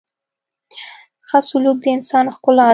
• ښه سلوک د انسان ښکلا ده.